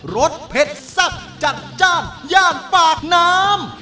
รสเผ็ดสักจัดจ้านย่างปากน้ำ